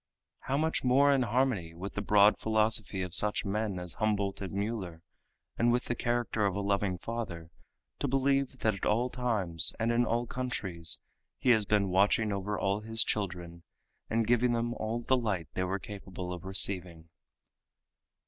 How much more in harmony with the broad philosophy of such men as Humboldt and Mueller, and with the character of a loving Father, to believe that at all times and in all countries He has been watching over all His children and giving them all the light they were capable of receiving.